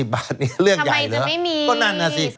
๑๑๐บาทนี้เรื่องใหญ่เหรอทำไมจะไม่มี